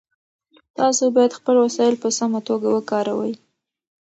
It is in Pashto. تاسو باید خپل وسایل په سمه توګه وکاروئ.